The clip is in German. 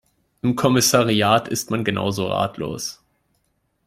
Im Kommissariat ist man genauso ratlos.